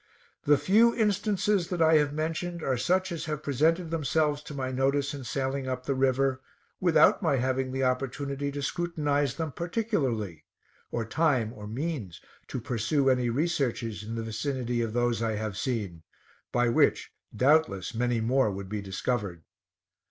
The few in stances that I have mentioned are such as have presented themselves to my notice in sailing up the river, without my having the opportunity to scrutinize them particularly, or time or means to pursue any researches in the vicinity of those I have seen, by which doubtless many more would be discovered.